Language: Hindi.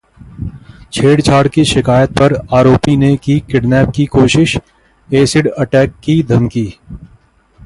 छेड़छाड़ की शिकायत पर आरोपी ने की किडनैप की कोशिश, एसिड अटैक की धमकी